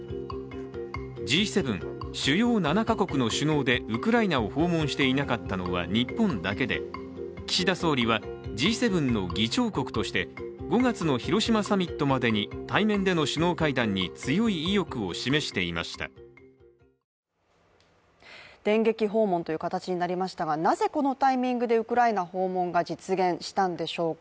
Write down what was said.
Ｇ７＝主要７か国の首脳でウクライナを訪問していなかったのは日本だけで岸田総理はＧ７の議長国として５月の広島サミットまでに対面での首脳会談に強い意欲を示していました電撃訪問という形になりましたが、なぜこのタイミングでウクライナ訪問が実現したんでしょうか。